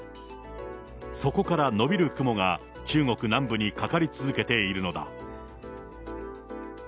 そこから延びる雲が中国南部にかかり続けているのだ。